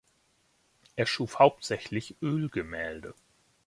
Er schuf hauptsächlich Ölgemälde.